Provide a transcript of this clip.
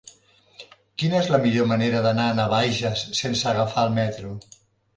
Quina és la millor manera d'anar a Navaixes sense agafar el metro?